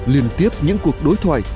liên tiếp những cuộc đối thoại